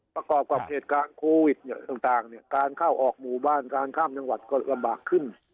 ประกอบกับเหตุการณ์โควิดต่างการเข้าออกหมู่บ้านการข้ามจังหวัดก็ลำบากขึ้น